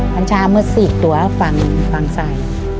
มันชาเมื่อสี่ตัวฝั่งใส่